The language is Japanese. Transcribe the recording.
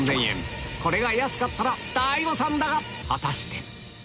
これが安かったら大誤算だが果たして？